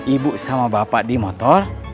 ibu sama bapak di motor